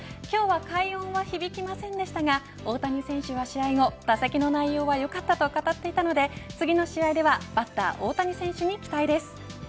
今日は快音は響きませんでしたが大谷選手は試合後、打席の内容は良かったと語っていたので次の試合では、バッター大谷選手に期待です。